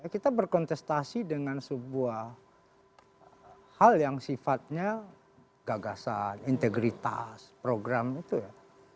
kita berkontestasi dengan sebuah hal yang sifatnya gagasan integritas program itu ya